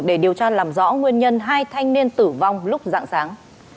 để điều tra làm rõ nguyên nhân hai thanh niên tử vong lúc dạng sáng